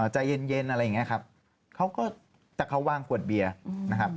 ใจเย็นอะไรอย่างนี้ครับเขาก็แต่เขาวางขวดเบียร์นะครับ